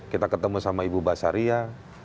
kita ketemu sama ibu basaria